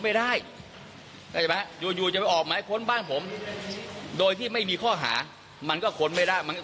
ทีนี้บิ๊กโจ๊กก็เลยมองว่ามันเหมือนกับว่าร่วมกันปกปิดข้อเท็จจริงต่อสารเดี๋ยวลองฟังเสียงดูนะคะ